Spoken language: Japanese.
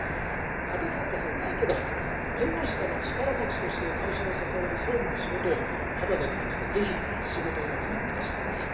派手さこそないけど縁の下の力持ちとして会社を支える総務の仕事を肌で感じてぜひ仕事選びに生かして下さい。